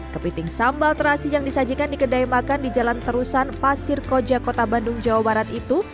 kepiting sambal terasi yang disajikan di kedai makan di jalan terusan pasir koja kota bandung jawa barat itu